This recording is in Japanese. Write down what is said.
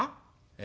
「え？